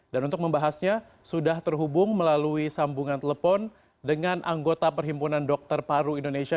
dan untuk membahasnya sudah terhubung melalui sambungan telepon dengan anggota perhimpunan dokter paru indonesia